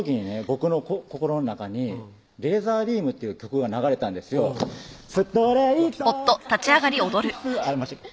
僕の心の中にレーザービームっていう曲が流れたんで「ストレイトドキドキする」